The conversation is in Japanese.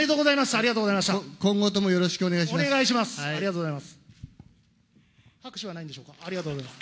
あ今後ともよろしくお願いしまお願いします。